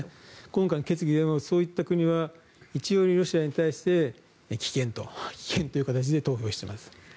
今回の決議でもそういった国は一様にロシアに対して棄権という形で投票しています。